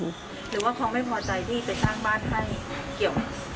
หรือว่าเขาไม่พอใจที่ไปสร้างบ้านให้เกี่ยวกับ